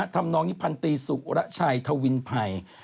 น้องนิพันตีสุรชัยทวินภัย